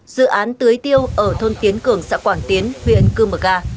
dự án tưới tiêu ở thôn tiến cường xã quảng tiến huyện cư mực a